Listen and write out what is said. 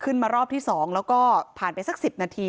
รอบที่๒แล้วก็ผ่านไปสัก๑๐นาที